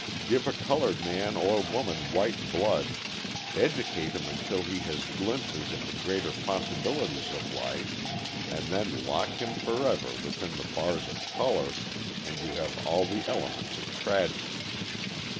Give a coloured man or woman white blood, educate him until he has glimpses of the greater possibilities of life and then lock him forever within the bars of colour, and you have all the elements of tragedy.